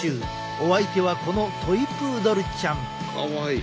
お相手はこのトイプードルちゃん。